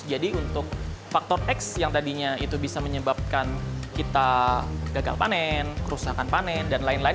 jadi untuk faktor x yang tadinya itu bisa menyebabkan kita gagal panen kerusakan panen dan lain lain